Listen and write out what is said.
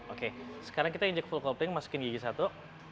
oke sekarang kita injek full copping masukin gigi satu